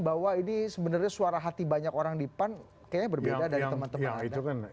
bahwa ini sebenarnya suara hati banyak orang di pan kayaknya berbeda dari teman teman anda